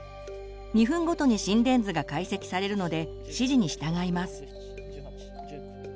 ２分ごとに心電図が解析されるので指示に従います。